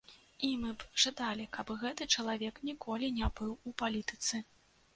І мы б жадалі, каб гэты чалавек ніколі не быў у палітыцы.